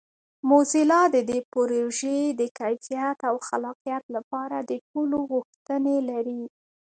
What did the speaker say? موزیلا د دې پروژې د کیفیت او خلاقیت لپاره د ټولو غوښتنې لري.